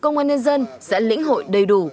công an nhân dân sẽ lĩnh hội đầy đủ